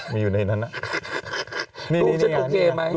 รูปนั้นคุณทำไปดูพี่หลังดิ